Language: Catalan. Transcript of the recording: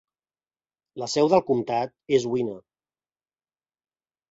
La seu del comtat és Winner.